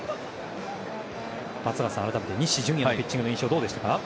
松坂さん、改めて西純矢のピッチングの印象どうでしたか？